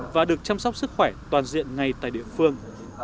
và được chăm sóc sức khỏe toàn diện ngay tại địa phương